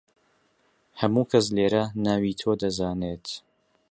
هەموو کەس لێرە ناوی تۆ دەزانێت.